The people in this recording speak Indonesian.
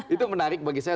itu menarik bagi saya